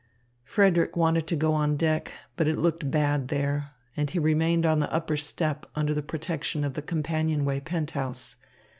Frederick wanted to go on deck, but it looked bad there, and he remained on the upper step under the protection of the companionway penthouse.